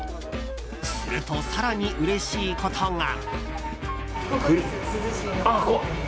すると、更にうれしいことが。